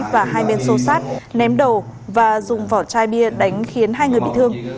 và hai bên xô sát ném đầu và dùng vỏ chai bia đánh khiến hai người bị thương